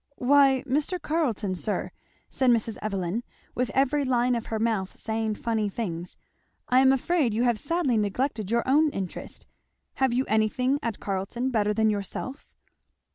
"Why, Mr. Carleton, sir " said Mrs. Evelyn, with every line of her mouth saying funny things, "I am afraid you have sadly neglected your own interest have you anything at Carleton better than yourself?"